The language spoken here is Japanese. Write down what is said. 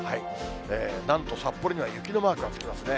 なんと札幌には雪のマークがつきますね。